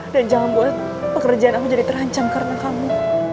dan jangan buat pekerjaan aku jadi terancam karena kamu